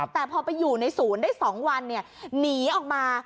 แต่พอไปอยู่ในศูนย์ได้๒วันหนีออกมา